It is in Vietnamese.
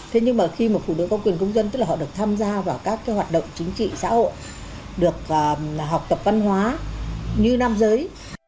thế nhưng mà khi mà phụ nữ có quyền công dân tức là họ được tham gia vào các hoạt động chính trị xã hội được học tập văn hóa như nam giới